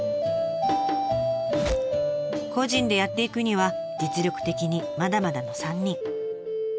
個人でやっていくには実力的にまだまだの３人。